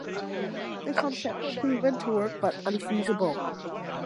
The concept was proven to work, but unfeasible.